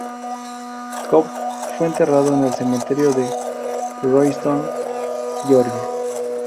Cobb fue enterrado en el cementerio de Royston, Georgia.